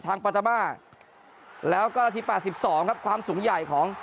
ทางปัตตาบ้าแล้วก็นาทีป่าสิบสองครับความสูงใหญ่ของ